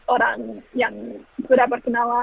orang yang sudah perkenalan